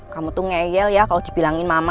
kamu tuh ngeyel ya kalau dibilangin mama